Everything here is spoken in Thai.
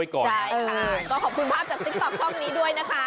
ก็ขอบคุณภาพจากสิทธิก็ต่อเรื่องนี้ด้วยนะคะ